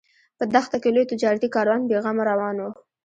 په دښته کې لوی تجارتي کاروان بې غمه روان و.